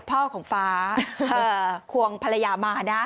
พ่อของฟ้าควงภรรยามานะ